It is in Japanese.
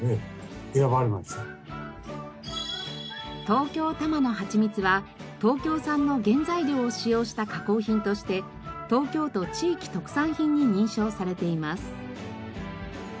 東京多摩のはちみつは東京産の原材料を使用した加工品として東京都地域特産品に認証されています。